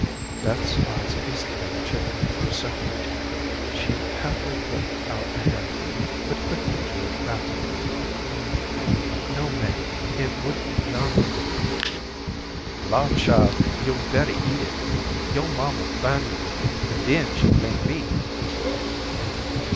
Beth's eyes feasted on the chicken for a second or two. She halfway put out a hand for it, but quickly drew it back again. "No, Maggie, it wouldn't be honorable." "Law, child, yo'd bettah eat it. Yo'r maw'll find me with it, and den she'll blame me."